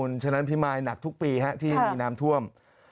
เพราะฉะนั้นพี่มายหนักทุกปีที่มีน้ำท่วม